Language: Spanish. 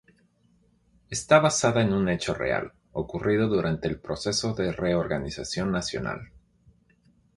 Está basada en un hecho real ocurrido durante el Proceso de Reorganización Nacional.